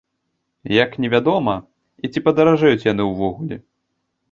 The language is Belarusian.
Як невядома, і ці падаражэюць яны ўвогуле.